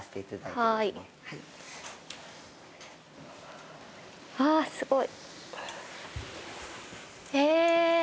はあすごい。え